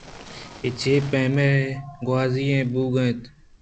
اے چے پیمیں گوٛازی ئےبوئگءَ اِنت